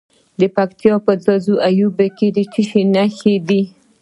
د پکتیا په ځاځي اریوب کې د څه شي نښې دي؟